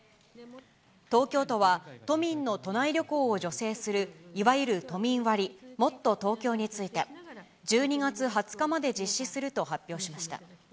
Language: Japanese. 東京都は、都民の都内旅行を助成するいわゆる都民割、もっとＴｏｋｙｏについて、１２月２０日まで実施すると発表しました。